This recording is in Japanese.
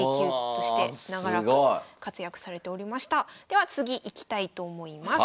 では次いきたいと思います。